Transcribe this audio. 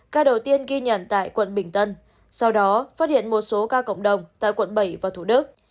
ca đầu tiên ghi nhận tại quận bình tân sau đó phát hiện một số ca cộng đồng tại quận bảy và thủ đức